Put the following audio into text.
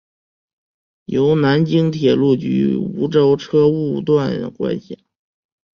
由南宁铁路局梧州车务段管辖。